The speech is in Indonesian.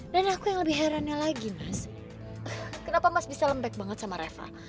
dan aku yang lebih herannya lagi mas kenapa mas bisa lembek banget sama reva